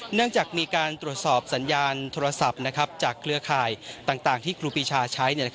เนื่องจากมีการตรวจสอบสัญญาณโทรศัพท์จากเครือข่ายต่างที่ครูปีชาใช้